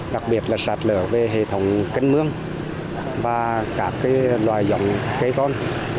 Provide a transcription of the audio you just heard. đặc biệt là sạt lửa về hệ thống kênh mương và các loài dòng cây con